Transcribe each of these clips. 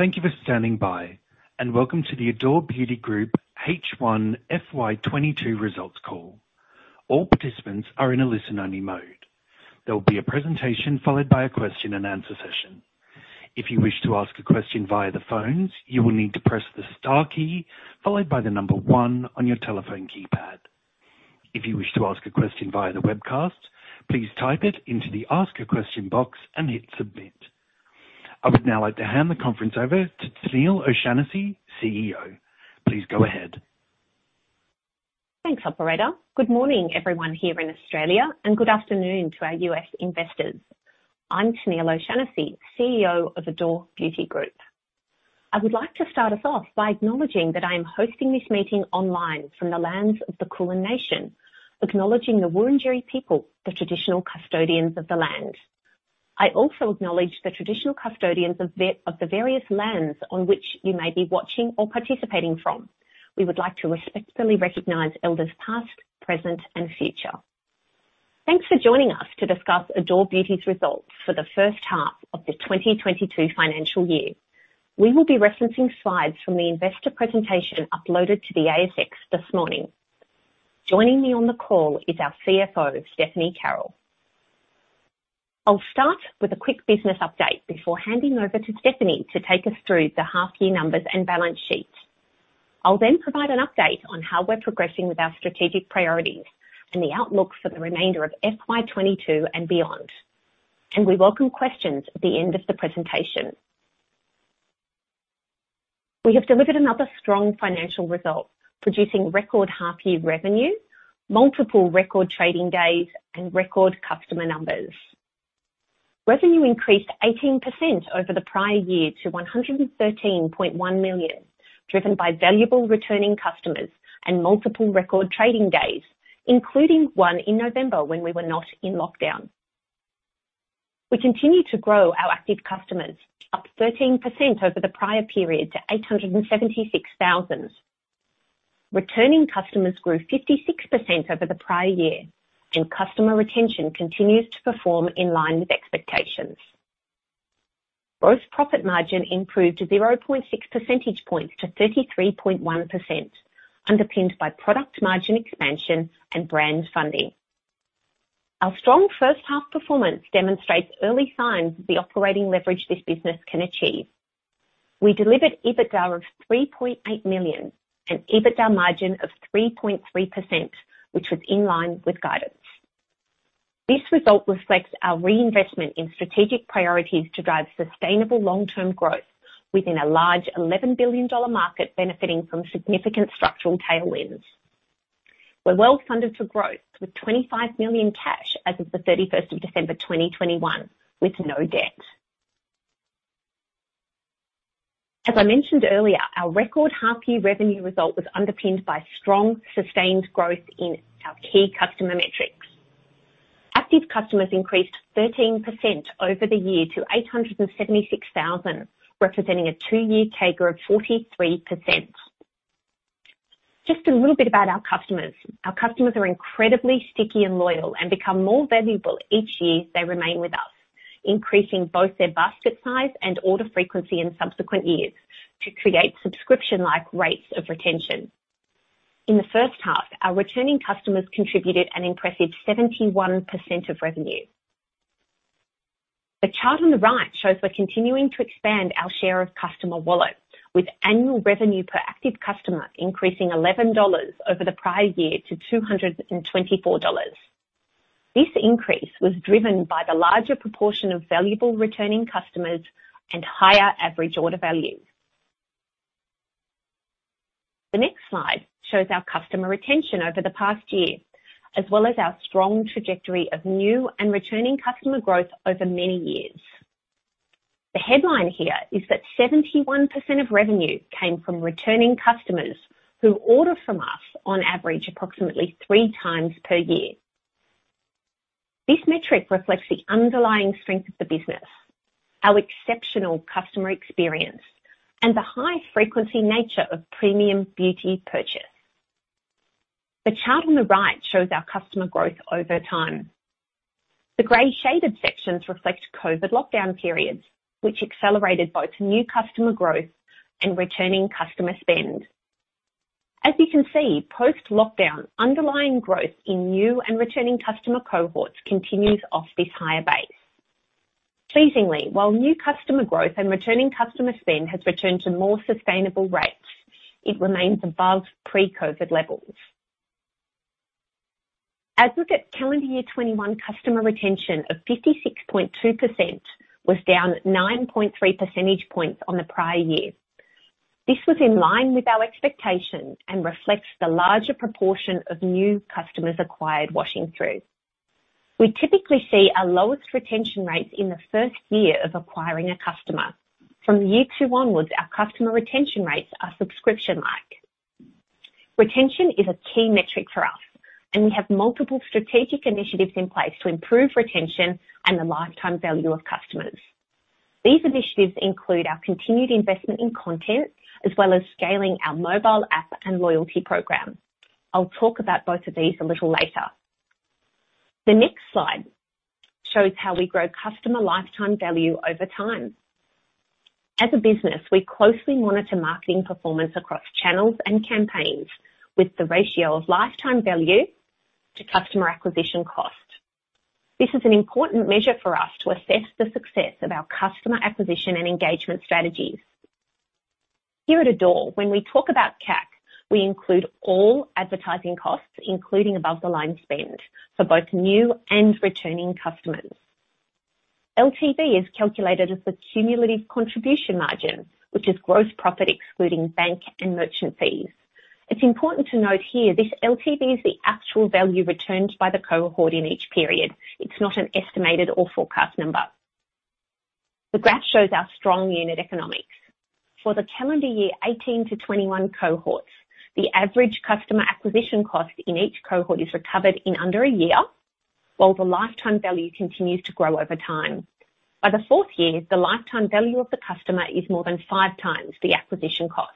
Thank you for standing by and welcome to the Adore Beauty Group H1 FY 2022 results call. All participants are in a listen-only mode. There will be a presentation followed by a question and answer session. If you wish to ask a question via the phones, you will need to press the star key followed by the number one on your telephone keypad. If you wish to ask a question via the webcast, please type it into the ask a question box and hit submit. I would now like to hand the conference over to Tennealle O'Shannessy, CEO. Please go ahead. Thanks, operator. Good morning, everyone here in Australia and good afternoon to our U.S. Investors. I'm Tennealle O'Shannessy, CEO of Adore Beauty Group. I would like to start us off by acknowledging that I am hosting this meeting online from the lands of the Kulin nation, acknowledging the Wurundjeri people, the traditional custodians of the land. I also acknowledge the traditional custodians of the various lands on which you may be watching or participating from. We would like to respectfully recognize elders past, present and future. Thanks for joining us to discuss Adore Beauty's results for the first half of the 2022 financial year. We will be referencing slides from the investor presentation uploaded to the ASX this morning. Joining me on the call is our CFO, Stephanie Carroll. I'll start with a quick business update before handing over to Stephanie to take us through the half year numbers and balance sheets. I'll then provide an update on how we're progressing with our strategic priorities and the outlook for the remainder of FY 2022 and beyond. We welcome questions at the end of the presentation. We have delivered another strong financial result, producing record half year revenue, multiple record trading days and record customer numbers. Revenue increased 18% over the prior year to 113.1 million, driven by valuable returning customers and multiple record trading days, including one in November when we were not in lockdown. We continue to grow our active customers, up 13% over the prior period to 876,000. Returning customers grew 56% over the prior year and customer retention continues to perform in line with expectations. Gross profit margin improved by 0.6 percentage points to 33.1%, underpinned by product margin expansion and brand funding. Our strong first half performance demonstrates early signs of the operating leverage this business can achieve. We delivered EBITDA of 3.8 million and EBITDA margin of 3.3% which was in line with guidance. This result reflects our reinvestment in strategic priorities to drive sustainable long-term growth within a large AUD 11 billion market benefiting from significant structural tailwinds. We're well-funded for growth with 25 million cash as of the 31st of December 2021 with no debt. As I mentioned earlier, our record half year revenue result was underpinned by strong, sustained growth in our key customer metrics. Active customers increased 13% over the year to 876,000, representing a two-year CAGR of 43%. Just a little bit about our customers. Our customers are incredibly sticky and loyal and become more valuable each year they remain with us, increasing both their basket size and order frequency in subsequent years to create subscription-like rates of retention. In the first half, our returning customers contributed an impressive 71% of revenue. The chart on the right shows we're continuing to expand our share of customer wallet with annual revenue per active customer increasing 11 dollars over the prior year to 224 dollars. This increase was driven by the larger proportion of valuable returning customers and higher average order values. The next slide shows our customer retention over the past year, as well as our strong trajectory of new and returning customer growth over many years. The headline here is that 71% of revenue came from returning customers who order from us on average approximately three times per year. This metric reflects the underlying strength of the business, our exceptional customer experience and the high-frequency nature of premium beauty purchase. The chart on the right shows our customer growth over time. The gray shaded sections reflect COVID lockdown periods which accelerated both new customer growth and returning customer spend. As you can see, post-lockdown, underlying growth in new and returning customer cohorts continues off this higher base. Pleasingly, while new customer growth and returning customer spend has returned to more sustainable rates, it remains above pre-COVID levels. As we look at calendar year 2021, customer retention of 56.2% was down 9.3 percentage points on the prior year. This was in line with our expectations and reflects the larger proportion of new customers acquired washing through. We typically see our lowest retention rates in the first year of acquiring a customer. From year 2 onwards, our customer retention rates are subscription-like. Retention is a key metric for us, and we have multiple strategic initiatives in place to improve retention and the lifetime value of customers. These initiatives include our continued investment in content, as well as scaling our mobile app and loyalty program. I'll talk about both of these a little later. The next slide shows how we grow customer lifetime value over time. As a business, we closely monitor marketing performance across channels and campaigns with the ratio of lifetime value to customer acquisition cost. This is an important measure for us to assess the success of our customer acquisition and engagement strategies. Here at Adore, when we talk about CAC, we include all advertising costs, including above-the-line spend for both new and returning customers. LTV is calculated as the cumulative contribution margin, which is gross profit excluding bank and merchant fees. It's important to note here this LTV is the actual value returned by the cohort in each period. It's not an estimated or forecast number. The graph shows our strong unit economics. For the calendar year 2018-2021 cohorts, the average customer acquisition cost in each cohort is recovered in under a year while the lifetime value continues to grow over time. By the fourth year, the lifetime value of the customer is more than five times the acquisition cost.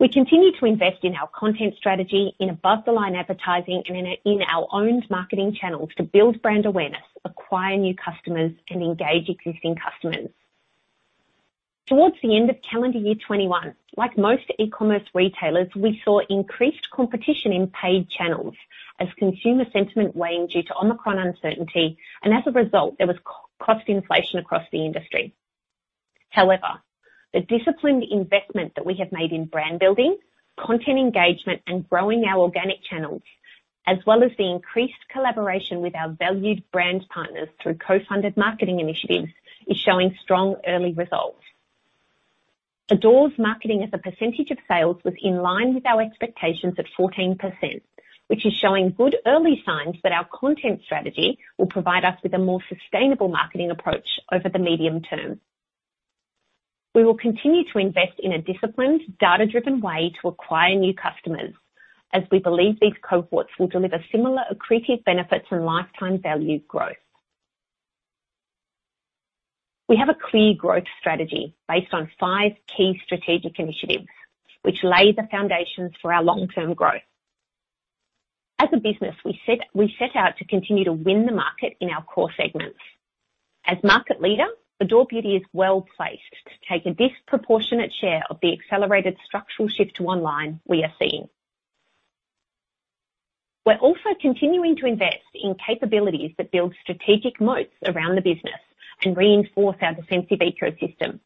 We continue to invest in our content strategy in above-the-line advertising and in our own marketing channels to build brand awareness, acquire new customers and engage existing customers. Towards the end of calendar year 2021, like most e-commerce retailers, we saw increased competition in paid channels as consumer sentiment waned due to Omicron uncertainty and as a result, there was cost inflation across the industry. However, the disciplined investment that we have made in brand building, content engagement, and growing our organic channels, as well as the increased collaboration with our valued brand partners through co-funded marketing initiatives, is showing strong early results. Adore's marketing as a percentage of sales was in line with our expectations at 14%, which is showing good early signs that our content strategy will provide us with a more sustainable marketing approach over the medium term. We will continue to invest in a disciplined, data-driven way to acquire new customers as we believe these cohorts will deliver similar accretive benefits and lifetime value growth. We have a clear growth strategy based on five key strategic initiatives which lay the foundations for our long-term growth. As a business, we set out to continue to win the market in our core segments. As market leader, Adore Beauty is well placed to take a disproportionate share of the accelerated structural shift to online we are seeing. We're also continuing to invest in capabilities that build strategic moats around the business and reinforce our defensive ecosystem.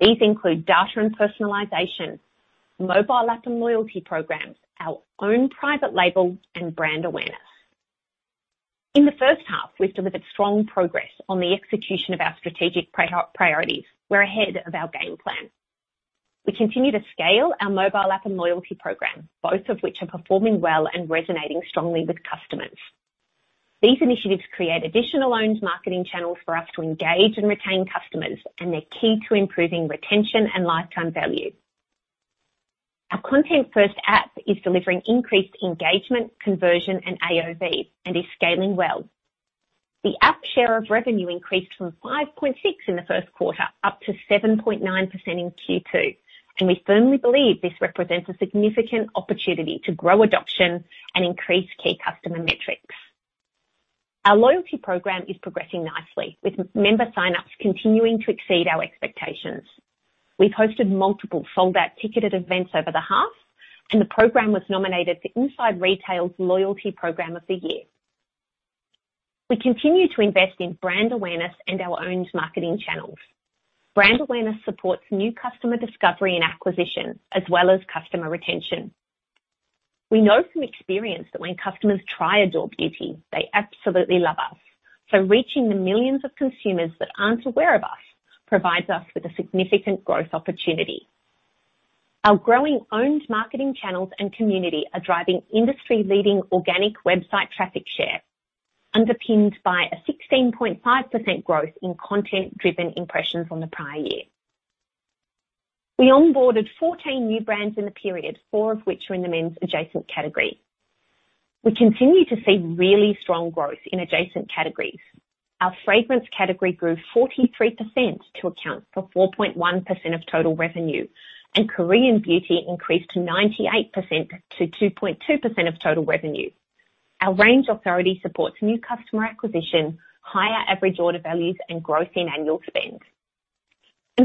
These include data and personalization, mobile app and loyalty programs, our own private label and brand awareness. In the first half, we've delivered strong progress on the execution of our strategic priorities. We're ahead of our game plan. We continue to scale our mobile app and loyalty program, both of which are performing well and resonating strongly with customers. These initiatives create additional owned marketing channels for us to engage and retain customers, and they're key to improving retention and lifetime value. Our content-first app is delivering increased engagement, conversion and AOV and is scaling well. The app share of revenue increased from 5.6% in the first quarter up to 7.9% in Q2 and we firmly believe this represents a significant opportunity to grow adoption and increase key customer metrics. Our loyalty program is progressing nicely, with member sign-ups continuing to exceed our expectations. We've hosted multiple sold-out ticketed events over the half and the program was nominated for Inside Retail's Loyalty Program of the Year. We continue to invest in brand awareness and our own marketing channels. Brand awareness supports new customer discovery and acquisition as well as customer retention. We know from experience that when customers try Adore Beauty, they absolutely love us, so reaching the millions of consumers that aren't aware of us provides us with a significant growth opportunity. Our growing owned marketing channels and community are driving industry-leading organic website traffic share, underpinned by a 16.5% growth in content-driven impressions on the prior year. We onboarded 14 new brands in the period, four of which were in the men's adjacent category. We continue to see really strong growth in adjacent categories. Our fragrance category grew 43% to account for 4.1% of total revenue and Korean beauty increased 98% to 2.2% of total revenue. Our range authority supports new customer acquisition, higher average order values and growth in annual spend.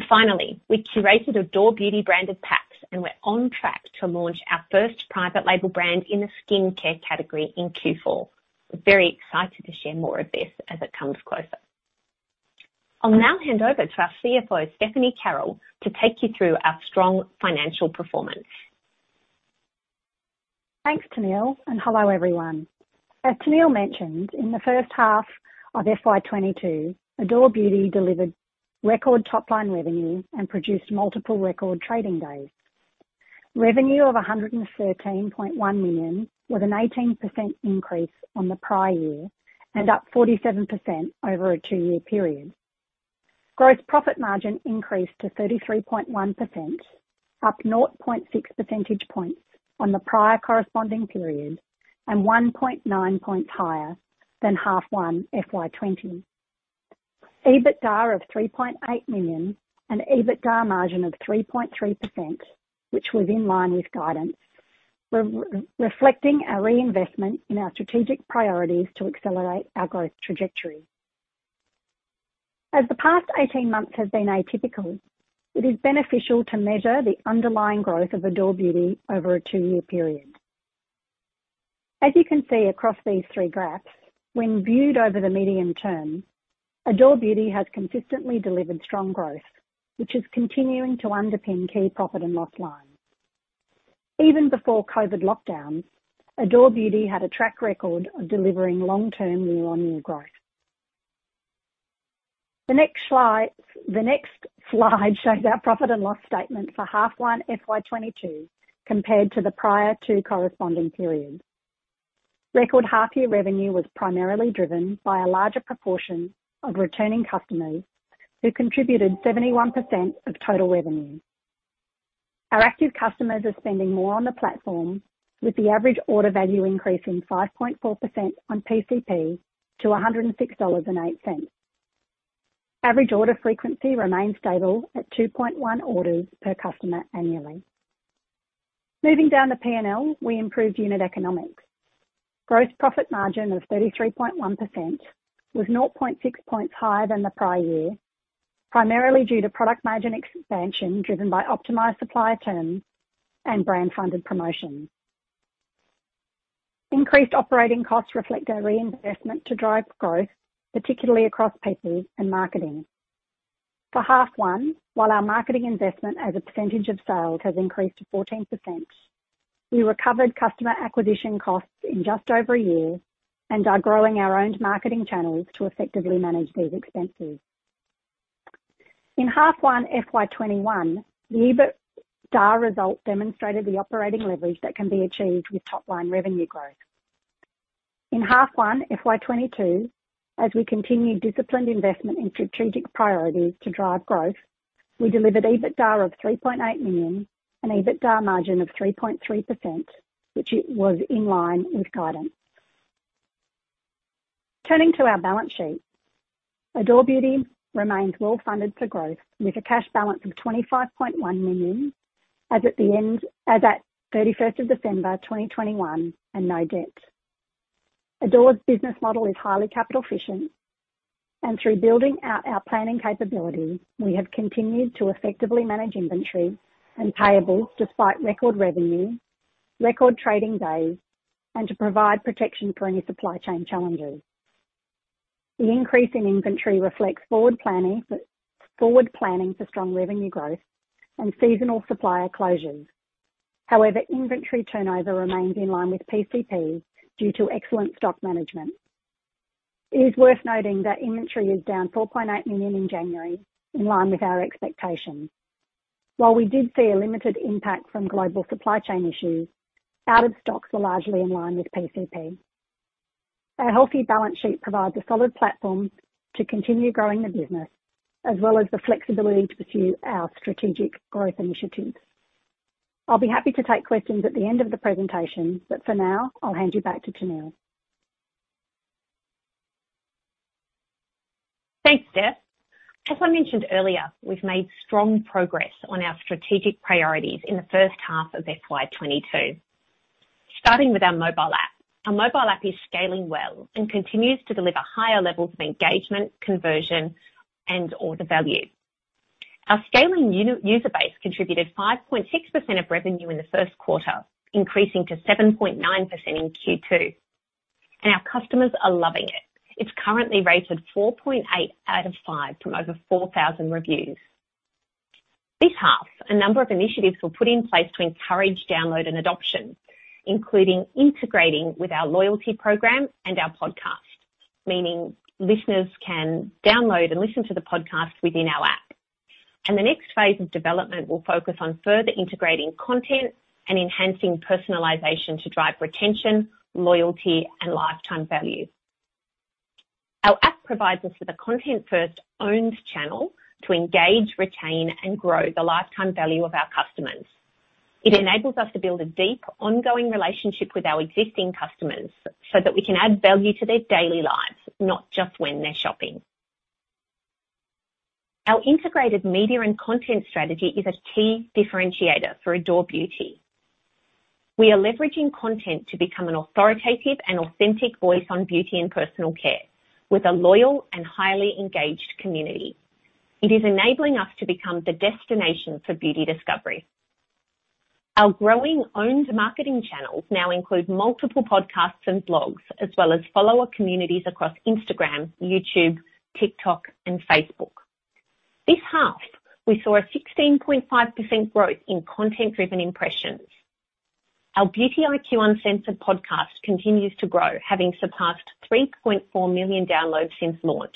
Finally, we curated Adore Beauty branded packs and we're on track to launch our first private label brand in the skincare category in Q4. We're very excited to share more of this as it comes closer. I'll now hand over to our CFO, Stephanie Carroll to take you through our strong financial performance. Thanks, Tennealle O'Shannessy and hello everyone. As Tennealle O'Shannessy mentioned, in the first half of FY 2022, Adore Beauty delivered record top-line revenue and produced multiple record trading days. Revenue of 113.1 million with an 18% increase on the prior year and up 47% over a two-year period. Gross profit margin increased to 33.1%, up 0.6 percentage points on the prior corresponding period and 1.9 points higher than half one FY 2020. EBITDA of 3.8 million and EBITDA margin of 3.3% which was in line with guidance. Reflecting our reinvestment in our strategic priorities to accelerate our growth trajectory. As the past eighteen months have been atypical, it is beneficial to measure the underlying growth of Adore Beauty over a two-year period. As you can see across these three graphs when viewed over the medium term, Adore Beauty has consistently delivered strong growth which is continuing to underpin key profit and loss lines. Even before COVID lockdowns, Adore Beauty had a track record of delivering long-term year-on-year growth. The next slide shows our profit and loss statement for half one FY 2022 compared to the prior two corresponding periods. Record half-year revenue was primarily driven by a larger proportion of returning customers who contributed 71% of total revenue. Our active customers are spending more on the platform with the average order value increasing 5.4% on PCP to 106.08 dollars. Average order frequency remains stable at 2.1 orders per customer annually. Moving down the P&L, we improved unit economics. Gross profit margin of 33.1% was 0.6 points higher than the prior year, primarily due to product margin expansion driven by optimized supplier terms and brand-funded promotions. Increased operating costs reflect our reinvestment to drive growth, particularly across PPC and marketing. For half one, while our marketing investment as a percentage of sales has increased to 14%, we recovered customer acquisition costs in just over a year and are growing our own marketing channels to effectively manage these expenses. In half one FY 2021, the EBITDA result demonstrated the operating leverage that can be achieved with top line revenue growth. In half one FY 2022, as we continue disciplined investment in strategic priorities to drive growth, we delivered EBITDA of 3.8 million and EBITDA margin of 3.3%, which was in line with guidance. Turning to our balance sheet, Adore Beauty remains well funded for growth with a cash balance of 25.1 million as at 31 December 2021 and no debt. Adore's business model is highly capital efficient and through building out our planning capabilities, we have continued to effectively manage inventory and payables despite record revenue, record trading days and to provide protection for any supply chain challenges. The increase in inventory reflects forward planning for strong revenue growth and seasonal supplier closures. However, inventory turnover remains in line with PCP due to excellent stock management. It is worth noting that inventory is down 4.8 million in January, in line with our expectations. While we did see a limited impact from global supply chain issues, out of stocks were largely in line with PCP. Our healthy balance sheet provides a solid platform to continue growing the business, as well as the flexibility to pursue our strategic growth initiatives. I'll be happy to take questions at the end of the presentation but for now, I'll hand you back to Tennealle. Thanks, Steph. As I mentioned earlier, we've made strong progress on our strategic priorities in the first half of FY 2022. Starting with our mobile app. Our mobile app is scaling well and continues to deliver higher levels of engagement, conversion and order value. Our scaling user base contributed 5.6% of revenue in the first quarter, increasing to 7.9% in Q2. Our customers are loving it. It's currently rated 4.8 out of 5 from over 4,000 reviews. This half, a number of initiatives were put in place to encourage download and adoption, including integrating with our loyalty program and our podcast, meaning listeners can download and listen to the podcast within our app. The next phase of development will focus on further integrating content and enhancing personalization to drive retention, loyalty and lifetime value. Our app provides us with a content-first owned channel to engage, retain and grow the lifetime value of our customers. It enables us to build a deep, ongoing relationship with our existing customers so that we can add value to their daily lives, not just when they're shopping. Our integrated media and content strategy is a key differentiator for Adore Beauty. We are leveraging content to become an authoritative and authentic voice on beauty and personal care with a loyal and highly engaged community. It is enabling us to become the destination for beauty discovery. Our growing owned marketing channels now include multiple podcasts and blogs, as well as follower communities across Instagram, YouTube, TikTok and Facebook. This half, we saw a 16.5% growth in content-driven impressions. Our Beauty IQ Uncensored podcast continues to grow, having surpassed 3.4 million downloads since launch.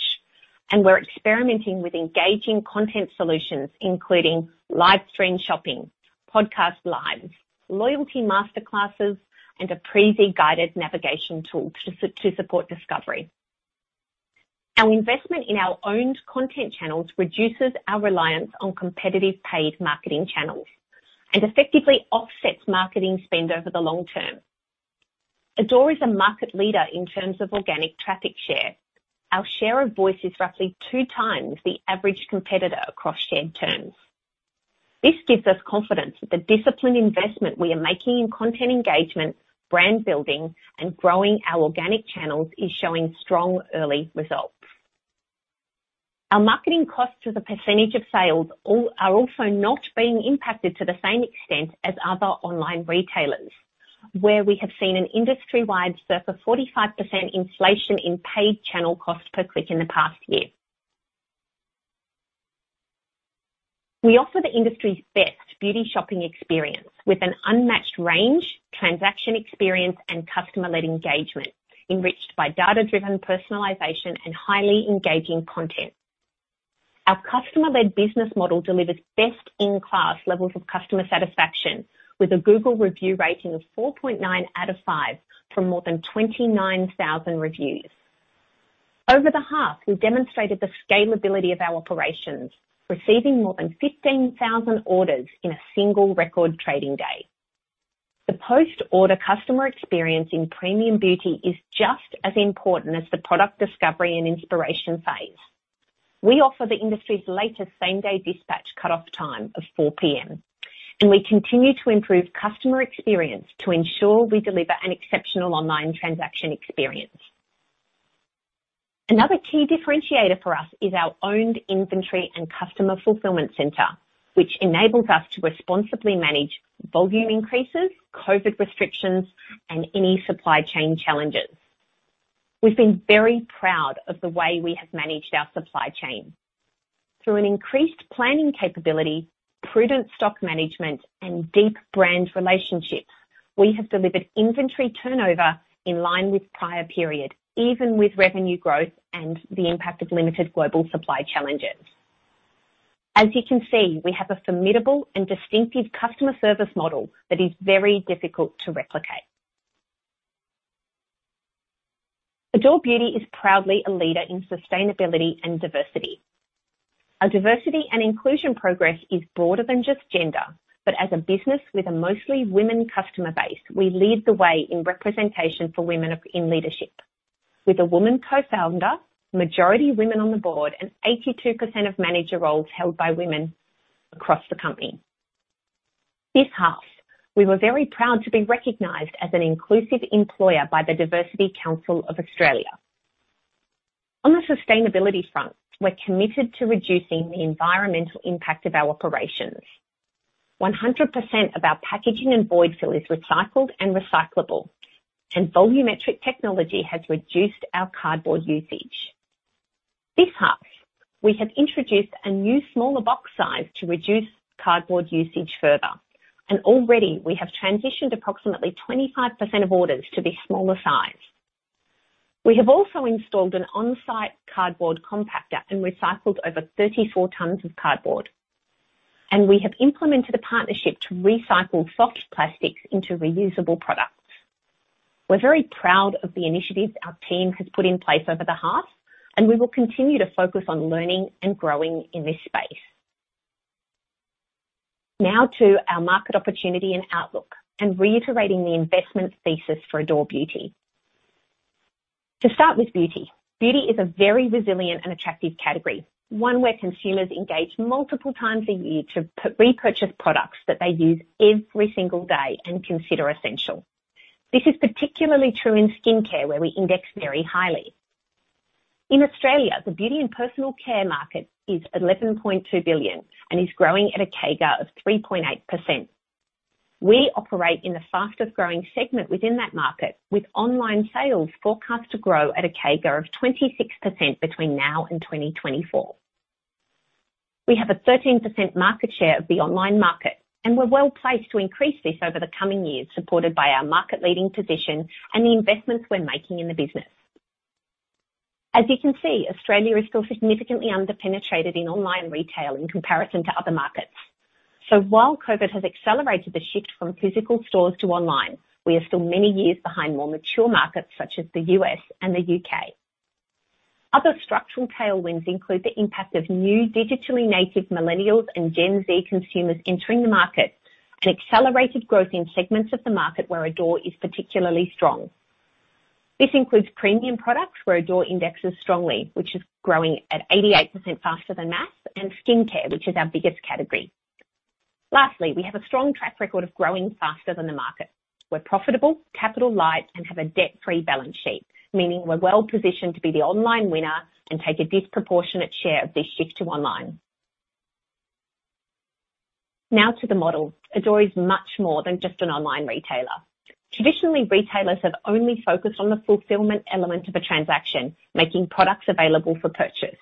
We're experimenting with engaging content solutions including livestream shopping, podcast lives, loyalty master classes and a preezie guided navigation tool to support discovery. Our investment in our own content channels reduces our reliance on competitive paid marketing channels and effectively offsets marketing spend over the long term. Adore is a market leader in terms of organic traffic share. Our share of voice is roughly two times the average competitor across shared terms. This gives us confidence that the disciplined investment we are making in content engagement, brand building and growing our organic channels is showing strong early results. Our marketing costs as a percentage of sales are also not being impacted to the same extent as other online retailers where we have seen an industry-wide surplus 45% inflation in paid channel cost per click in the past year. We offer the industry's best beauty shopping experience with an unmatched range, transaction experience and customer-led engagement, enriched by data-driven personalization and highly engaging content. Our customer-led business model delivers best-in-class levels of customer satisfaction with a Google Review rating of 4.9 out of 5 from more than 29,000 reviews. Over the half, we demonstrated the scalability of our operations, receiving more than 15,000 orders in a single record trading day. The post-order customer experience in premium beauty is just as important as the product discovery and inspiration phase. We offer the industry's latest same-day dispatch cut-off time of 4:00 P.M. And we continue to improve customer experience to ensure we deliver an exceptional online transaction experience. Another key differentiator for us is our owned inventory and customer fulfillment center which enables us to responsibly manage volume increases, COVID restrictions and any supply chain challenges. We've been very proud of the way we have managed our supply chain. Through an increased planning capability, prudent stock management and deep brand relationships. We have delivered inventory turnover in line with prior period even with revenue growth and the impact of limited global supply challenges. As you can see, we have a formidable and distinctive customer service model that is very difficult to replicate. Adore Beauty is proudly a leader in sustainability and diversity. Our diversity and inclusion progress is broader than just gender but as a business with a mostly women customer base, we lead the way in representation for women in leadership with a woman co-founder, majority women on the board and 82% of manager roles held by women across the company. This half, we were very proud to be recognized as an inclusive employer by the Diversity Council of Australia. On the sustainability front, we're committed to reducing the environmental impact of our operations. 100% of our packaging and void fill is recycled and recyclable and volumetric technology has reduced our cardboard usage. This half, we have introduced a new smaller box size to reduce cardboard usage further and already we have transitioned approximately 25% of orders to this smaller size. We have also installed an on-site cardboard compactor and recycled over 34 tons of cardboard and we have implemented a partnership to recycle soft plastics into reusable products. We're very proud of the initiatives our team has put in place over the half and we will continue to focus on learning and growing in this space. Now to our market opportunity and outlook and reiterating the investment thesis for Adore Beauty. To start with beauty. Beauty is a very resilient and attractive category, one where consumers engage multiple times a year to repurchase products that they use every single day and consider essential. This is particularly true in skincare where we index very highly. In Australia, the beauty and personal care market is 11.2 billion and is growing at a CAGR of 3.8%. We operate in the fastest-growing segment within that market with online sales forecast to grow at a CAGR of 26% between now and 2024. We have a 13% market share of the online market and we're well placed to increase this over the coming years, supported by our market-leading position and the investments we're making in the business. As you can see, Australia is still significantly underpenetrated in online retail in comparison to other markets. While COVID has accelerated the shift from physical stores to online, we are still many years behind more mature markets such as the U.S. and the U.K. Other structural tailwinds include the impact of new digitally native millennials and Gen Z consumers entering the market and accelerated growth in segments of the market where Adore is particularly strong. This includes premium products where Adore indexes strongly which is growing at 88% faster than mass, and skincare which is our biggest category. Lastly, we have a strong track record of growing faster than the market. We're profitable, capital light and have a debt-free balance sheet, meaning we're well-positioned to be the online winner and take a disproportionate share of this shift to online. Now to the model. Adore is much more than just an online retailer. Traditionally, retailers have only focused on the fulfillment element of a transaction, making products available for purchase.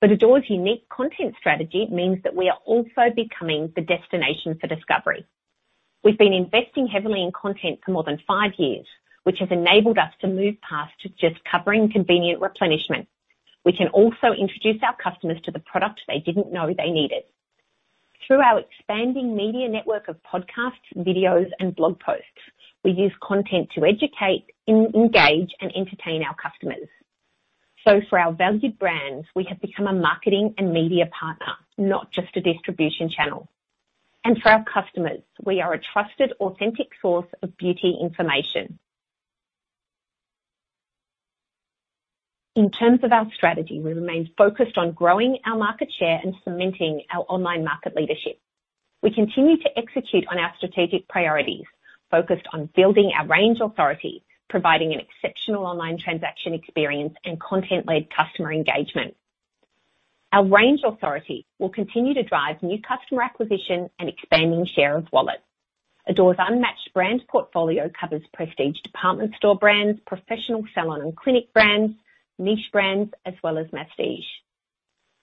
Adore's unique content strategy means that we are also becoming the destination for discovery. We've been investing heavily in content for more than five years which has enabled us to move past just covering convenient replenishment. We can also introduce our customers to the products they didn't know they needed. Through our expanding media network of podcasts, videos and blog posts. We use content to educate, engage and entertain our customers. For our valued brands, we have become a marketing and media partner, not just a distribution channel. For our customers, we are a trusted authentic source of beauty information. In terms of our strategy, we remain focused on growing our market share and cementing our online market leadership. We continue to execute on our strategic priorities, focused on building our range authority, providing an exceptional online transaction experience and content-led customer engagement. Our range authority will continue to drive new customer acquisition and expanding share of wallet. Adore's unmatched brand portfolio covers prestige department store brands, professional salon and clinic brands, niche brands, as well as prestige.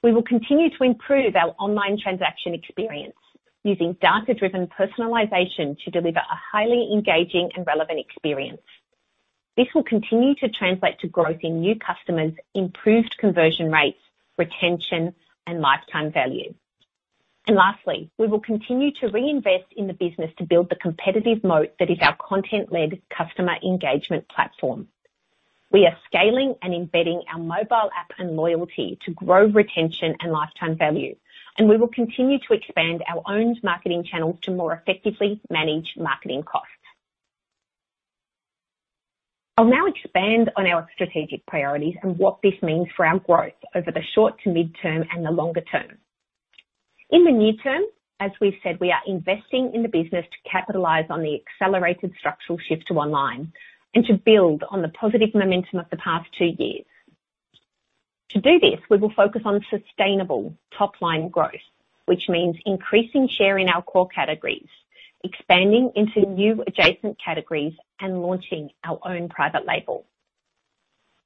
We will continue to improve our online transaction experience using data-driven personalization to deliver a highly engaging and relevant experience. This will continue to translate to growth in new customers, improved conversion rates, retention and lifetime value. Lastly, we will continue to reinvest in the business to build the competitive moat that is our content-led customer engagement platform. We are scaling and embedding our mobile app and loyalty to grow retention and lifetime value. We will continue to expand our owned marketing channels to more effectively manage marketing costs. I'll now expand on our strategic priorities and what this means for our growth over the short to midterm and the longer term. In the near term, as we've said, we are investing in the business to capitalize on the accelerated structural shift to online and to build on the positive momentum of the past two years. To do this, we will focus on sustainable top-line growth which means increasing share in our core categories, expanding into new adjacent categories and launching our own private label.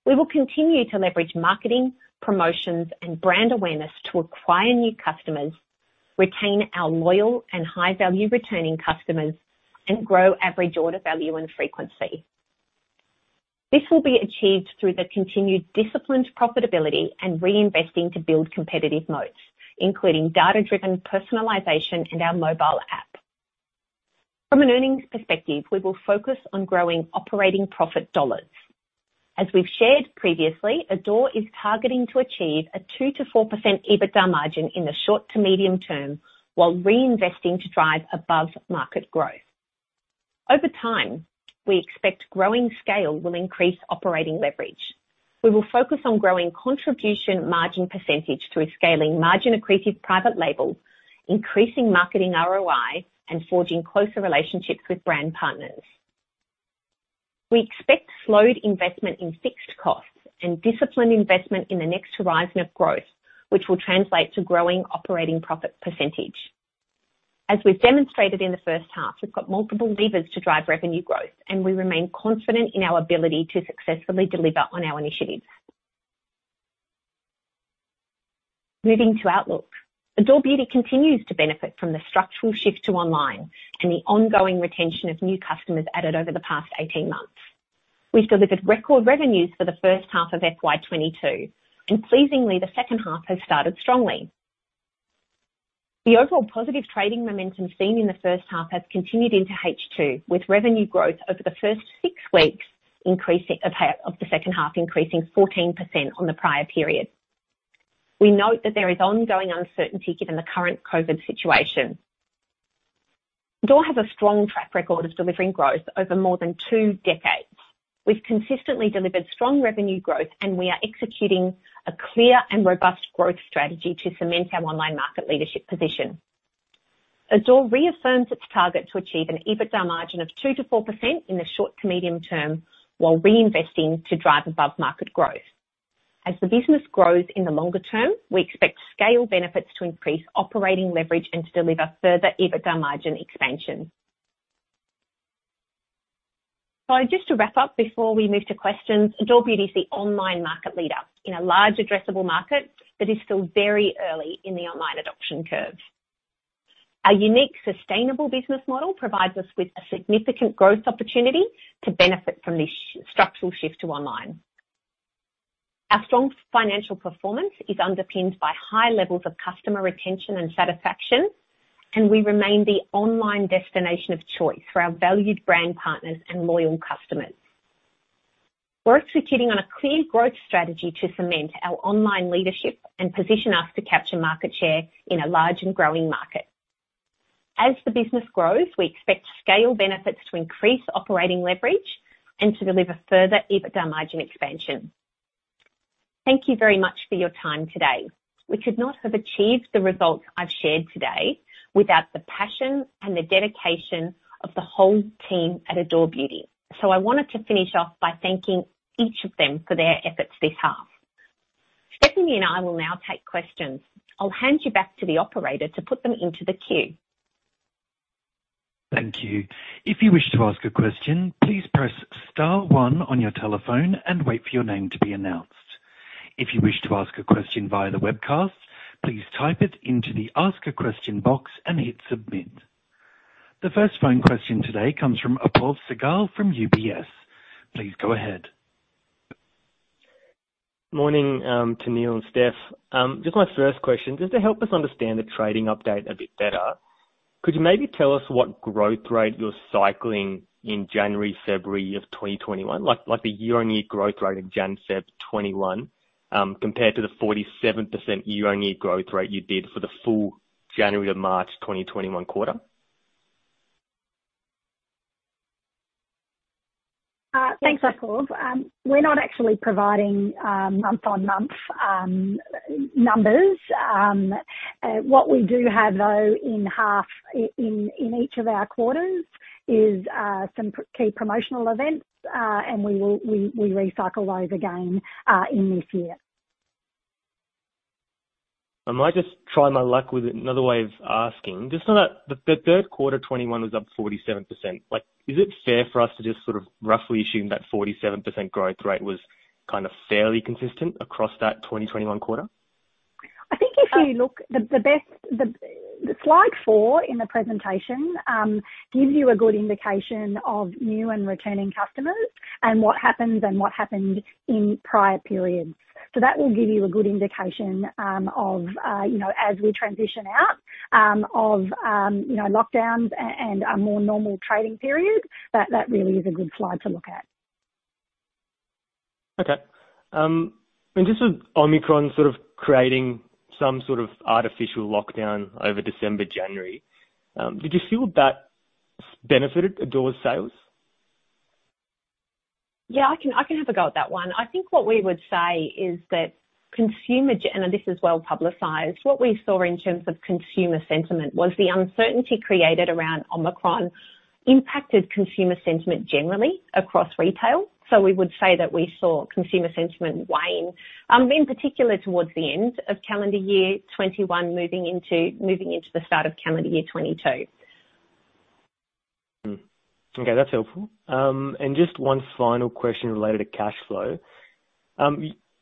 We will continue to leverage marketing, promotions and brand awareness to acquire new customers, retain our loyal and high-value returning customers and grow average order value and frequency. This will be achieved through the continued disciplined profitability and reinvesting to build competitive moats, including data-driven personalization and our mobile app. From an earnings perspective, we will focus on growing operating profit dollars. As we've shared previously, Adore is targeting to achieve a 2%-4% EBITDA margin in the short to medium term while reinvesting to drive above-market growth. Over time, we expect growing scale will increase operating leverage. We will focus on growing contribution margin percentage through scaling margin-accretive private label, increasing marketing ROI and forging closer relationships with brand partners. We expect slowed investment in fixed costs and disciplined investment in the next horizon of growth which will translate to growing operating profit percentage. As we've demonstrated in the first half, we've got multiple levers to drive revenue growth and we remain confident in our ability to successfully deliver on our initiatives. Moving to outlook. Adore Beauty continues to benefit from the structural shift to online and the ongoing retention of new customers added over the past 18 months. We've delivered record revenues for the first half of FY 2022 and pleasingly, the second half has started strongly. The overall positive trading momentum seen in the first half has continued into H2 with revenue growth over the first six weeks of the second half increasing 14% on the prior period. We note that there is ongoing uncertainty given the current COVID situation. Adore have a strong track record of delivering growth over more than two decades. We've consistently delivered strong revenue growth and we are executing a clear and robust growth strategy to cement our online market leadership position. Adore reaffirms its target to achieve an EBITDA margin of 2%-4% in the short to medium term while reinvesting to drive above-market growth. As the business grows in the longer term, we expect scale benefits to increase operating leverage and to deliver further EBITDA margin expansion. Just to wrap up before we move to questions, Adore Beauty is the online market leader in a large addressable market that is still very early in the online adoption curve. Our unique, sustainable business model provides us with a significant growth opportunity to benefit from this structural shift to online. Our strong financial performance is underpinned by high levels of customer retention and satisfaction and we remain the online destination of choice for our valued brand partners and loyal customers. We're executing on a clear growth strategy to cement our online leadership and position us to capture market share in a large and growing market. As the business grows, we expect scale benefits to increase operating leverage and to deliver further EBITDA margin expansion. Thank you very much for your time today. We could not have achieved the results I've shared today without the passion and the dedication of the whole team at Adore Beauty. I wanted to finish off by thanking each of them for their efforts this half. Stephanie and I will now take questions. I'll hand you back to the operator to put them into the queue. Thank you. If you wish to ask a question, please press star one on your telephone and wait for your name to be announced. If you wish to ask a question via the webcast, please type it into the ask a question box and hit submit. The first phone question today comes from Apoorv Sehgal from UBS. Please go ahead. Morning to Tennealle and Steph. Just my first question, just to help us understand the trading update a bit better. Could you maybe tell us what growth rate you're cycling in January, February of 2021? Like the year-on-year growth rate of Jan-Feb 2021, compared to the 47% year-on-year growth rate you did for the full January to March 2021 quarter. Thanks, Apoorv. We're not actually providing month-on-month numbers. What we do have, though, in each of our quarters is some key promotional events and we recycle those again in this year. I might just try my luck with another way of asking. Just so that the third quarter 2021 was up 47%. Like, is it fair for us to just sort of roughly assume that 47% growth rate was kind of fairly consistent across that 2021 quarter? I think if you look at the best slide four in the presentation gives you a good indication of new and returning customers and what happened in prior periods. That will give you a good indication of, you know, as we transition out of, you know, lockdowns and a more normal trading period. That really is a good slide to look at. Okay. Just with Omicron sort of creating some sort of artificial lockdown over December, January, did you feel that benefited Adore's sales? Yeah, I can have a go at that one. I think what we would say is that consumer – and this is well-publicized. What we saw in terms of consumer sentiment was the uncertainty created around Omicron impacted consumer sentiment generally across retail. We would say that we saw consumer sentiment wane in particular towards the end of calendar year 2021 moving into the start of calendar year 2022. Okay. That's helpful. Just one final question related to cash flow.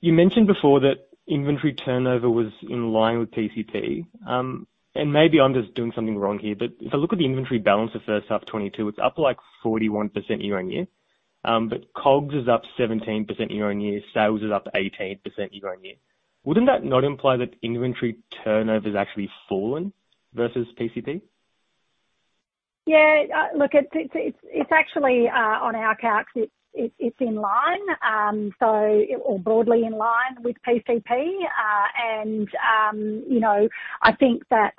You mentioned before that inventory turnover was in line with PCP. Maybe I'm just doing something wrong here but if I look at the inventory balance for first half 2022, it's up, like, 41% year-on-year. But COGS is up 17% year-on-year. Sales is up 18% year-on-year. Wouldn't that not imply that inventory turnover has actually fallen versus PCP? Yeah. Look, it's actually on our calcs, it's in line or broadly in line with PCP. You know, I think that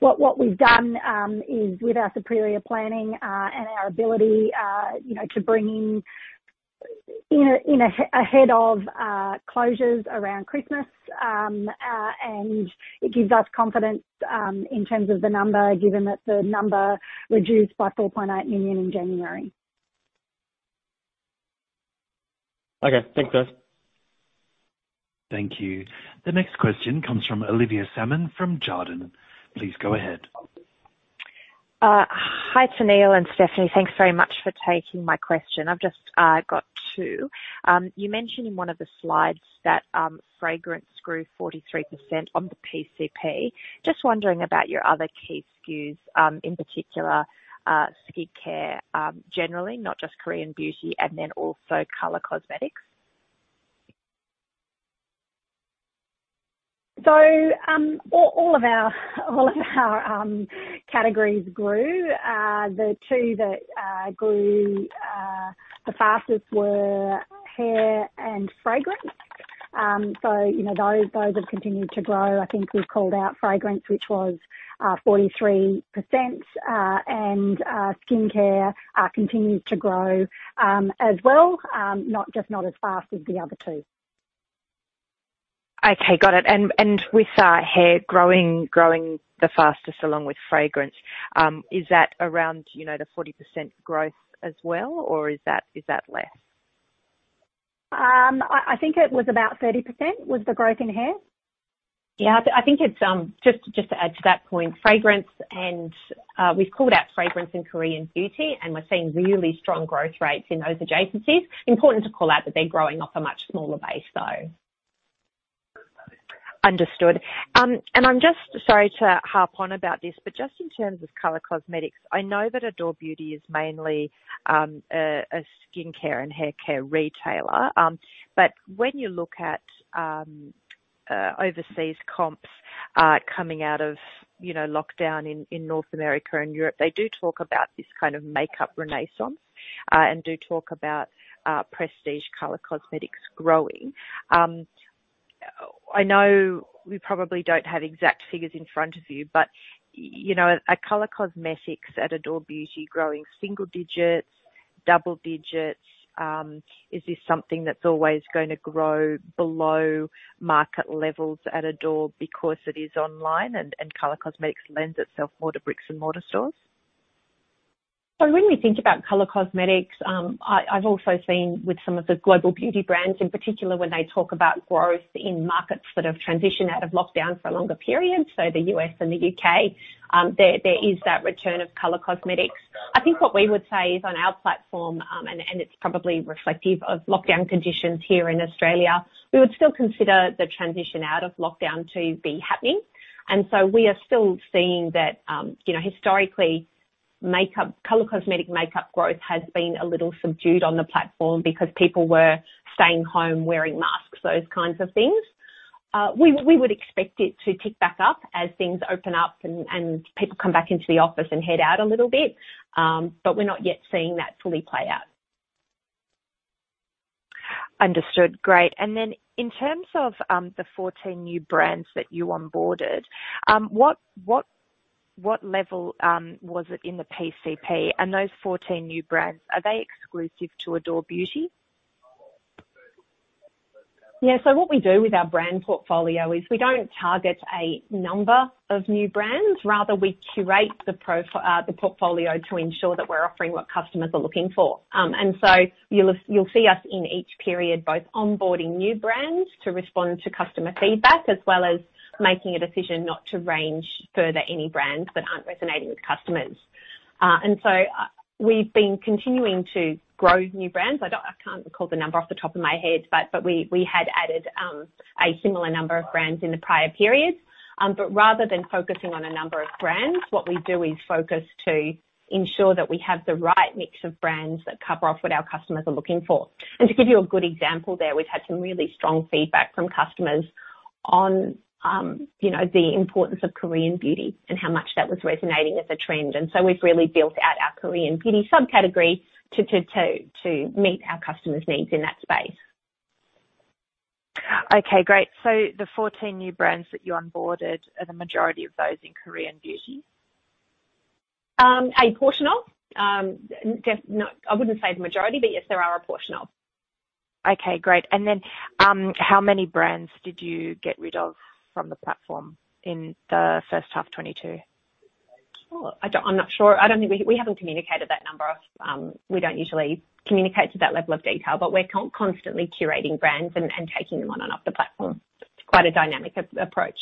what we've done is with our superior planning and our ability, you know, to bring in ahead of closures around Christmas. It gives us confidence in terms of the number, given that the number reduced by 4.8 million in January. Okay. Thanks, guys. Thank you. The next question comes from Olivia Salmon from Jarden. Please go ahead. Hi, Tennealle and Stephanie. Thanks very much for taking my question. I've just got two. You mentioned in one of the slides that fragrance grew 43% on the PCP. Just wondering about your other key SKUs, in particular, skincare generally not just Korean beauty and then also color cosmetics. All of our categories grew. The two that grew the fastest were hair and fragrance. You know, those have continued to grow. I think we've called out fragrance which was 43%. Skincare continues to grow as well, not as fast as the other two. Okay. Got it. With hair growing the fastest along with fragrance, is that around, you know, the 40% growth as well? Or is that less? I think it was about 30% was the growth in hair. Yeah. I think it's just to add to that point, fragrance and we've called out fragrance in Korean beauty and we're seeing really strong growth rates in those adjacencies. Important to call out that they're growing off a much smaller base though. Understood. I'm just sorry to harp on about this, but just in terms of color cosmetics, I know that Adore Beauty is mainly a skincare and haircare retailer. When you look at overseas comps coming out of, you know, lockdown in North America and Europe, they do talk about this kind of makeup renaissance and do talk about prestige color cosmetics growing. I know we probably don't have exact figures in front of you, but you know, are color cosmetics at Adore Beauty growing single digits, double digits? Is this something that's always gonna grow below market levels at Adore because it is online and color cosmetics lends itself more to bricks-and-mortar stores? When we think about color cosmetics, I've also seen with some of the global beauty brands in particular when they talk about growth in markets that have transitioned out of lockdown for a longer period so the U.S. and the U.K., there is that return of color cosmetics. I think what we would say is on our platform, and it's probably reflective of lockdown conditions here in Australia, we would still consider the transition out of lockdown to be happening. We are still seeing that, you know, historically, color cosmetic makeup growth has been a little subdued on the platform because people were staying home, wearing masks, those kinds of things. We would expect it to pick back up as things open up and people come back into the office and head out a little bit. We're not yet seeing that fully play out. Understood. Great. In terms of the 14 new brands that you onboarded, what level was it in the PCP? Those 14 new brands, are they exclusive to Adore Beauty? Yeah. What we do with our brand portfolio is we don't target a number of new brands. Rather, we curate the portfolio to ensure that we're offering what customers are looking for. You'll see us in each period, both onboarding new brands to respond to customer feedback, as well as making a decision not to range further any brands that aren't resonating with customers. We've been continuing to grow new brands. I can't recall the number off the top of my head, but we had added a similar number of brands in the prior periods. Rather than focusing on a number of brands, what we do is focus to ensure that we have the right mix of brands that cover off what our customers are looking for. To give you a good example there, we've had some really strong feedback from customers on, you know, the importance of Korean beauty and how much that was resonating as a trend. We've really built out our Korean beauty subcategory to meet our customers' needs in that space. Okay, great. The 14 new brands that you onboarded, are the majority of those in Korean beauty? No, I wouldn't say the majority but yes, there are a portion of. Okay, great. How many brands did you get rid of from the platform in the first half 2022? Oh, I'm not sure. We haven't communicated that number of. We don't usually communicate to that level of detail but we're constantly curating brands and taking them on and off the platform. It's quite a dynamic approach.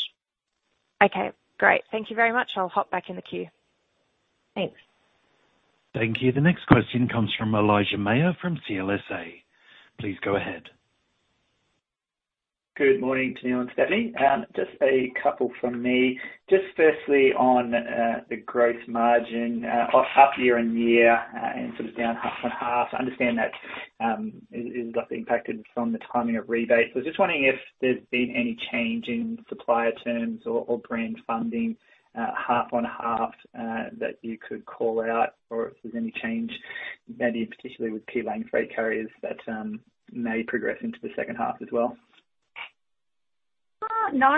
Okay, great. Thank you very much. I'll hop back in the queue. Thanks. Thank you. The next question comes from Elijah Mayr from CLSA. Please go ahead. Good morning, Tennealle and Stephanie. Just a couple from me, just firstly on the gross margin off half-year and year and sort of down half-on-half. I understand that it is obviously impacted from the timing of rebates. Was just wondering if there's been any change in supplier terms or brand funding half-on-half that you could call out or if there's any change maybe particularly with key last-mile freight carriers that may progress into the second half as well. No,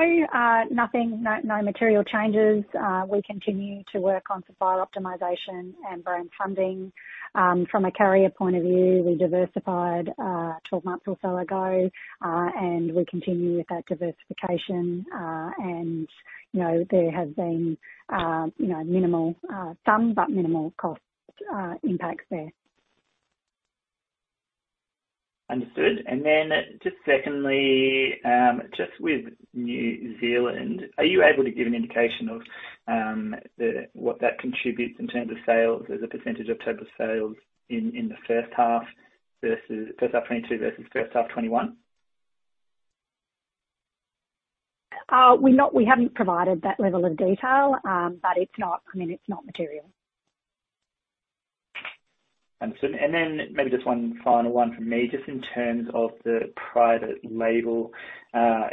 nothing material changes. We continue to work on supplier optimization and brand funding. From a carrier point of view, we diversified 12 months or so ago and we continue with that diversification. You know, there has been some but minimal cost impacts there. Understood. Just secondly, just with New Zealand, are you able to give an indication of what that contributes in terms of sales as a percentage of total sales in the first half 2022 versus first half 2021? We haven't provided that level of detail but it's not, I mean, it's not material. Understood. Maybe just one final one from me, just in terms of the private label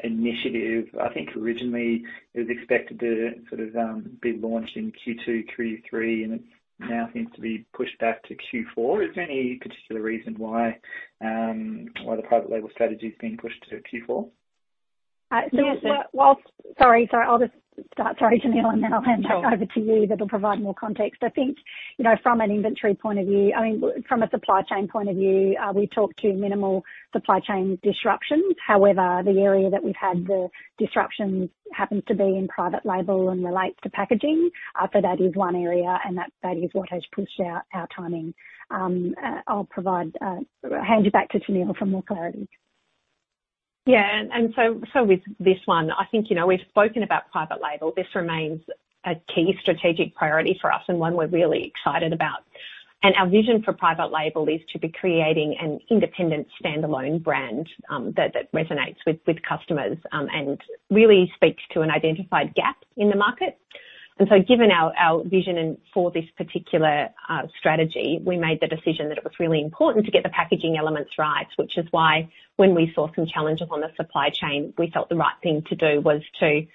initiative. I think originally it was expected to sort of be launched in Q2, Q3, and it now seems to be pushed back to Q4. Is there any particular reason why the private label strategy is being pushed to Q4? Uh, so- Yeah. Sorry. I'll just start. Sorry, Tennealle and then I'll hand back over to you. That'll provide more context. I think, you know, from an inventory point of view, I mean, from a supply chain point of view, we had minimal supply chain disruptions. However, the area that we've had the disruptions happens to be in private label and relates to packaging. So that is one area and that is what has pushed out our timing. I'll hand you back to Tennealle for more clarity. Yeah. With this one, I think, you know, we've spoken about private label. This remains a key strategic priority for us and one we're really excited about. Our vision for private label is to be creating an independent standalone brand that resonates with customers and really speaks to an identified gap in the market. Given our vision and for this particular strategy, we made the decision that it was really important to get the packaging elements right, which is why when we saw some challenges on the supply chain, we felt the right thing to do was to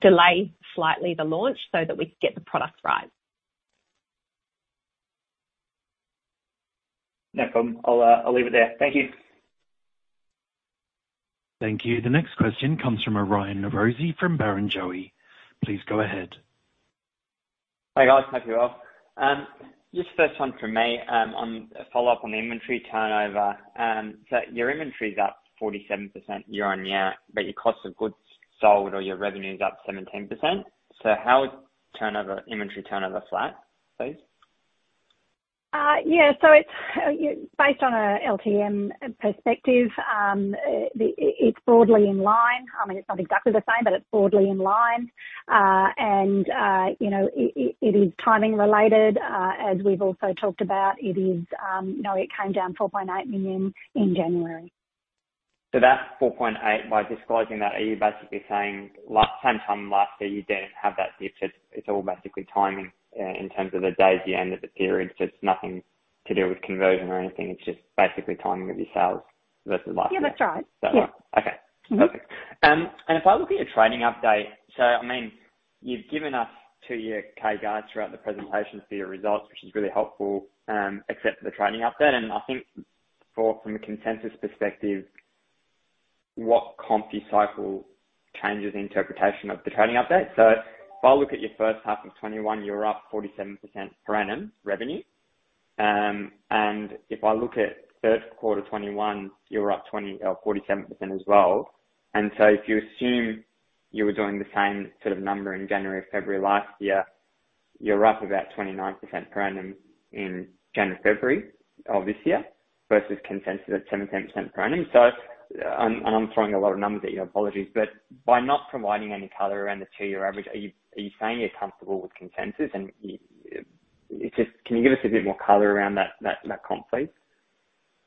delay slightly the launch so that we could get the product right. No problem. I'll leave it there. Thank you. Thank you. The next question comes from Aryan Norozi from Barrenjoey. Please go ahead. Hey, guys. Hope you're well. Just first one from me, on a follow-up on the inventory turnover. Your inventory is up 47% year-on-year but your cost of goods sold or your revenue is up 17%. How is inventory turnover flat, please? Yeah. It's based on a LTM perspective. It's broadly in line. I mean, it's not exactly the same but it's broadly in line. You know, it is timing related, as we've also talked about. It is, you know, it came down 4.8 million in January. That 4.8%, by disclosing that, are you basically saying at the same time last year you didn't have that dip. It's all basically timing in terms of the days, the end of the period. It's nothing to do with conversion or anything. It's just basically timing of your sales versus last year. Yeah, that's right. Is that right? Yeah. Okay. Perfect. If I look at your trading update. I mean, you've given us two-year CAGR guides throughout the presentation for your results which is really helpful, except for the trading update. I think from a consensus perspective, what comp cycle changes interpretation of the trading update. If I look at your first half of 2021, you're up 47% per annum revenue. If I look at third quarter 2021, you're up 20 or 47% as well. If you assume you were doing the same sort of number in January, February last year, you're up about 29% per annum in January, February of this year versus consensus at 10% per annum. I'm throwing a lot of numbers at you. Apologies. By not providing any color around the two-year average, are you saying you're comfortable with consensus? It's just, can you give us a bit more color around that comp, please?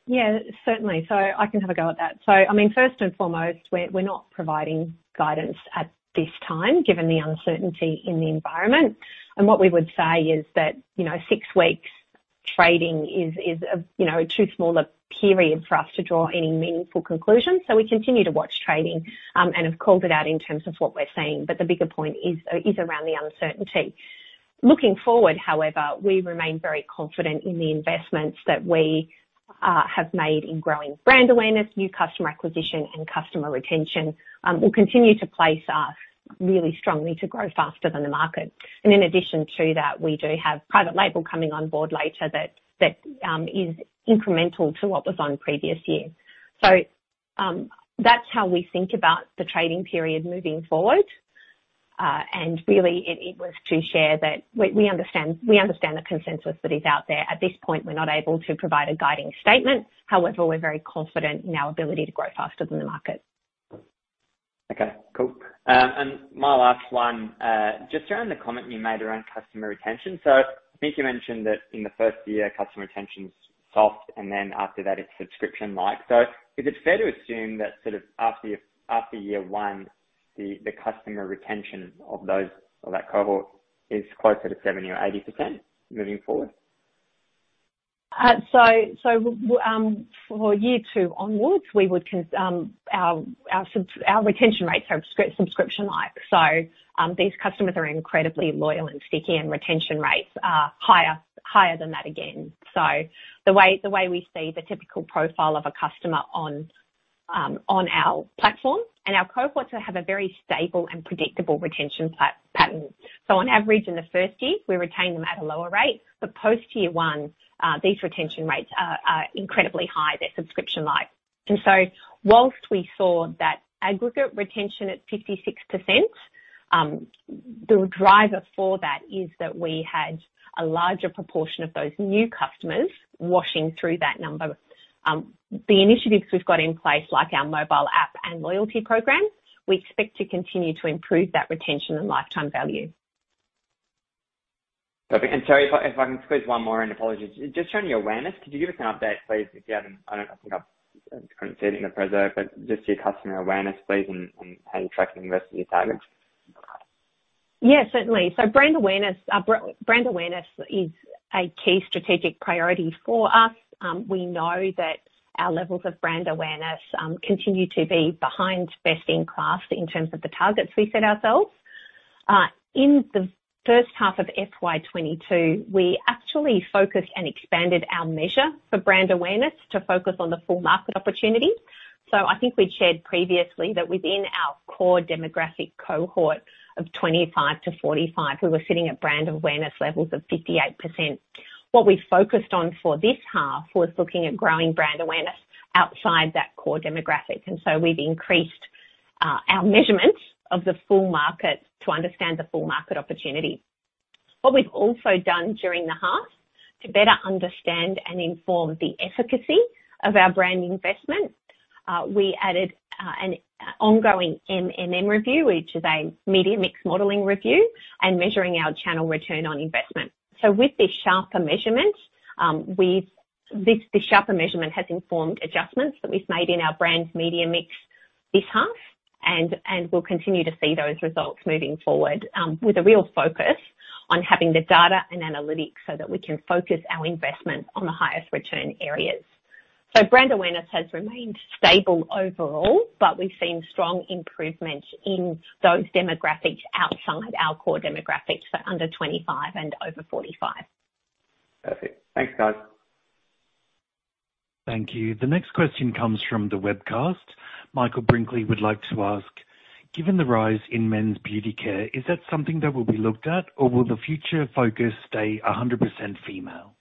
Yeah, certainly. I can have a go at that. I mean, first and foremost, we're not providing guidance at this time, given the uncertainty in the environment. What we would say is that, you know, six weeks trading is too small a period for us to draw any meaningful conclusions. We continue to watch trading, and have called it out in terms of what we're seeing. The bigger point is around the uncertainty. Looking forward, however, we remain very confident in the investments that we have made in growing brand awareness, new customer acquisition and customer retention, will continue to place us really strongly to grow faster than the market. In addition to that, we do have private label coming on board later that is incremental to what was on previous year. That's how we think about the trading period moving forward. Really it was to share that we understand the consensus that is out there. At this point, we're not able to provide a guiding statement. However, we're very confident in our ability to grow faster than the market. Okay, cool. My last one, just around the comment you made around customer retention. I think you mentioned that in the first year customer retention's soft and then after that it's subscription-like. Is it fair to assume that sort of after year one, the customer retention of that cohort is closer to 70% or 80% moving forward? For year two onwards, our retention rates are subscription-like. These customers are incredibly loyal and sticky and retention rates are higher than that again. The way we see the typical profile of a customer on our platform and our cohorts have a very stable and predictable retention pattern. On average in the first year we retain them at a lower rate. Post year one, these retention rates are incredibly high. They're subscription-like. While we saw that aggregate retention at 56%, the driver for that is that we had a larger proportion of those new customers washing through that number. The initiatives we've got in place, like our mobile app and loyalty program, we expect to continue to improve that retention and lifetime value. Perfect. Sorry if I can squeeze one more in. Apologies. Just around your awareness, could you give us an update please if you haven't. I don't think I've seen it in the presentation but just your customer awareness please and how you're tracking the rest of your targets. Yeah, certainly. Brand awareness. Our brand awareness is a key strategic priority for us. We know that our levels of brand awareness continue to be behind best in class in terms of the targets we set ourselves. In the first half of FY 2022, we actually focused and expanded our measure for brand awareness to focus on the full market opportunity. I think we'd shared previously that within our core demographic cohort of 25-45, we were sitting at brand awareness levels of 58%. What we focused on for this half was looking at growing brand awareness outside that core demographic. We've increased our measurements of the full market to understand the full market opportunity. What we've also done during the half to better understand and inform the efficacy of our brand investment, we added an ongoing MMM review which is a media mix modeling review and measuring our channel return on investment. With this sharper measurement, this sharper measurement has informed adjustments that we've made in our brand's media mix this half and we'll continue to see those results moving forward with a real focus on having the data and analytics so that we can focus our investment on the highest return areas. Brand awareness has remained stable overall but we've seen strong improvements in those demographics outside our core demographics so under 25 and over 45. Perfect. Thanks, guys. Thank you. The next question comes from the webcast. Michael Brinkley would like to ask, "Given the rise in men's beauty care, is that something that will be looked at or will the future focus stay 100% female?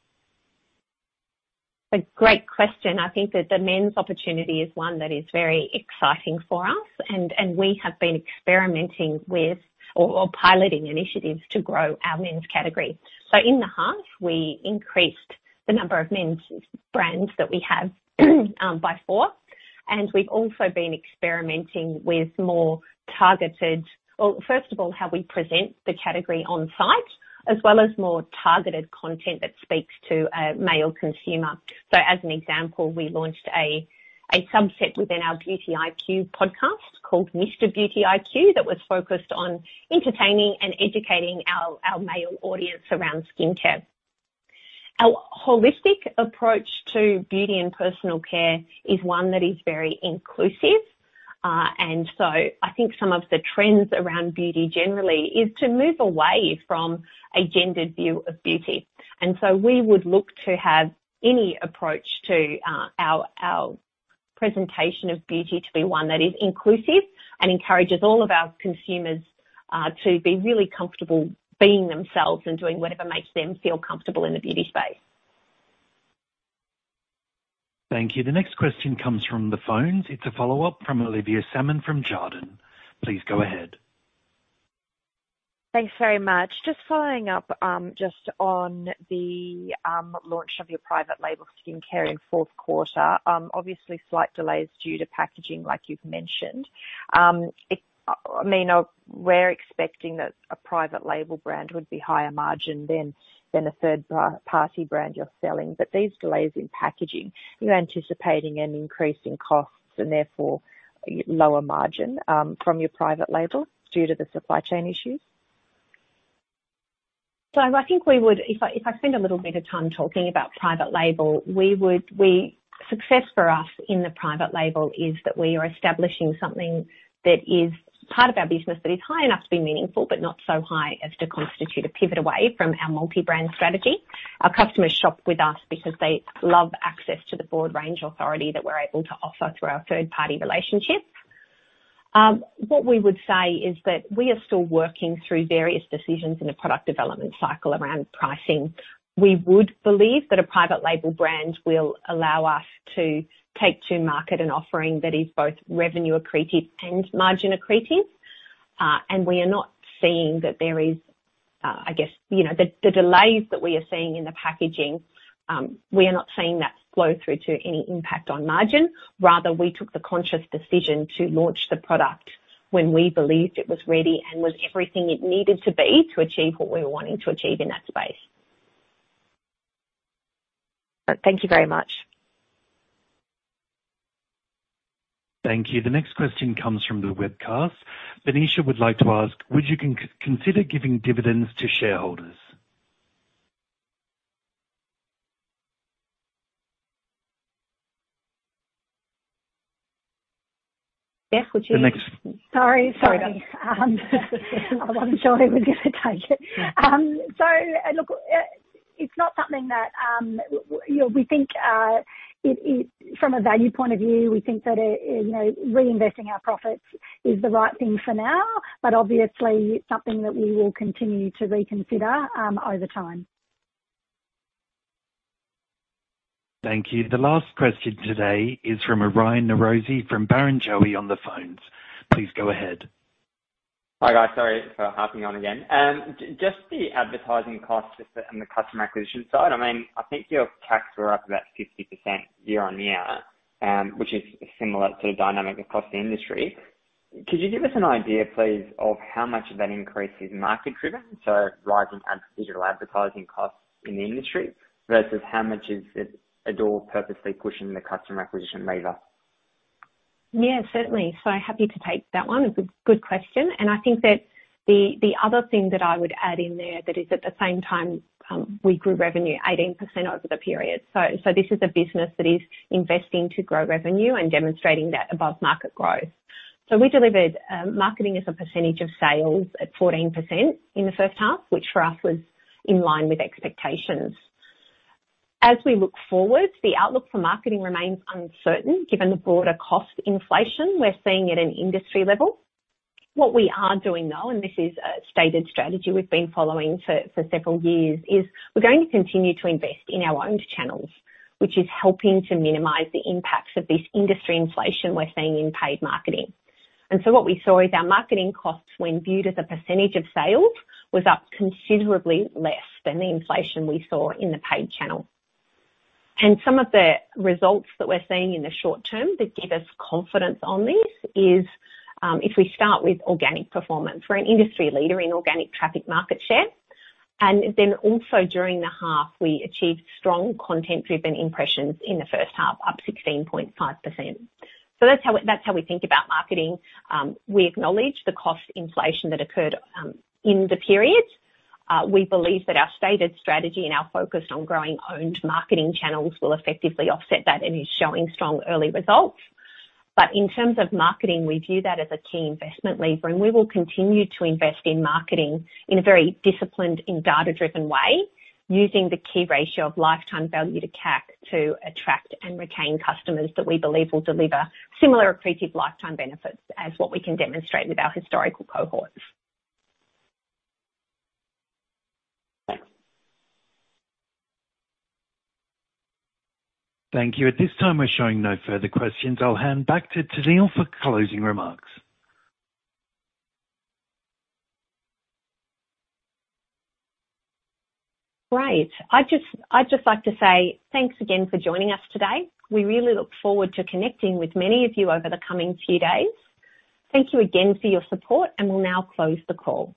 A great question. I think that the men's opportunity is one that is very exciting for us and we have been experimenting with, or piloting initiatives to grow our men's category. In the half we increased the number of men's brands that we have by four. We've also been experimenting with more targeted. Well, first of all, how we present the category on site, as well as more targeted content that speaks to a male consumer. As an example, we launched a subset within our Beauty IQ podcast called Mr. Beauty IQ, that was focused on entertaining and educating our male audience around skincare. Our holistic approach to beauty and personal care is one that is very inclusive. I think some of the trends around beauty generally is to move away from a gendered view of beauty. We would look to have any approach to our presentation of beauty to be one that is inclusive and encourages all of our consumers to be really comfortable being themselves and doing whatever makes them feel comfortable in the beauty space. Thank you. The next question comes from the phones. It's a follow-up from Olivia Salmon from Jarden. Please go ahead. Thanks very much. Just following up, just on the launch of your private label skincare in fourth quarter. Obviously slight delays due to packaging, like you've mentioned. I mean, we're expecting that a private label brand would be higher margin than a third party brand you're selling. These delays in packaging, are you anticipating an increase in costs and therefore lower margin from your private label due to the supply chain issues? I think if I spend a little bit of time talking about private label, success for us in the private label is that we are establishing something that is part of our business that is high enough to be meaningful but not so high as to constitute a pivot away from our multi-brand strategy. Our customers shop with us because they love access to the broad range authority that we're able to offer through our third-party relationships. What we would say is that we are still working through various decisions in the product development cycle around pricing. We would believe that a private label brand will allow us to take to market an offering that is both revenue accretive and margin accretive. We are not seeing that there is, I guess, you know, the delays that we are seeing in the packaging. We are not seeing that flow through to any impact on margin. Rather, we took the conscious decision to launch the product when we believed it was ready and was everything it needed to be to achieve what we were wanting to achieve in that space. Thank you very much. Thank you. The next question comes from the webcast. Benisha would like to ask, "Would you consider giving dividends to shareholders?" The next- Sorry. I wasn't sure who was gonna take it. Look, it's not something that we think from a value point of view, we think that, you know, reinvesting our profits is the right thing for now but obviously it's something that we will continue to reconsider over time. Thank you. The last question today is from Aryan Norozi from Barrenjoey on the phones. Please go ahead. Hi, guys. Sorry for hopping on again. Just the advertising costs and the customer acquisition side. I mean, I think your CACs were up about 50% year-on-year, which is similar to the dynamic across the industry. Could you give us an idea, please, of how much of that increase is market-driven so rise in digital advertising costs in the industry, versus how much is Adore purposely pushing the customer acquisition lever? Yeah, certainly. Happy to take that one. A good question. I think that the other thing that I would add in there that is at the same time, we grew revenue 18% over the period. This is a business that is investing to grow revenue and demonstrating that above-market growth. We delivered marketing as a percentage of sales at 14% in the first half which for us was in line with expectations. As we look forward, the outlook for marketing remains uncertain given the broader cost inflation we're seeing at an industry level. What we are doing, though and this is a stated strategy we've been following for several years, is we're going to continue to invest in our own channels which is helping to minimize the impacts of this industry inflation we're seeing in paid marketing. What we saw is our marketing costs when viewed as a percentage of sales was up considerably less than the inflation we saw in the paid channel. Some of the results that we're seeing in the short term that give us confidence on this is, if we start with organic performance. We're an industry leader in organic traffic market share. Then also during the half, we achieved strong content-driven impressions in the first half, up 16.5%. That's how we think about marketing. We acknowledge the cost inflation that occurred in the period. We believe that our stated strategy and our focus on growing owned marketing channels will effectively offset that and is showing strong early results. In terms of marketing, we view that as a key investment lever and we will continue to invest in marketing in a very disciplined and data-driven way, using the key ratio of lifetime value to CAC to attract and retain customers that we believe will deliver similar accretive lifetime benefits as what we can demonstrate with our historical cohorts. Thank you. At this time, we're showing no further questions. I'll hand back to Tennealle for closing remarks. Great. I'd just like to say thanks again for joining us today. We really look forward to connecting with many of you over the coming few days. Thank you again for your support and we'll now close the call.